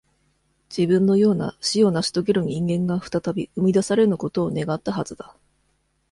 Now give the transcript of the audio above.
自分のような死をなし遂げる人間が、再び、生み出されぬことを願ったはずだ。